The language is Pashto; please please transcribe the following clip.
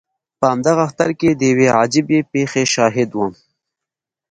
په همدغه اختر کې د یوې عجیبې پېښې شاهد وم.